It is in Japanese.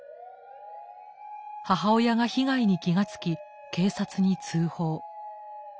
母親が被害に気が付き警察に通報。